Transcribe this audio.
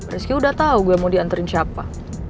rizky udah tau gue mau dianterin siapa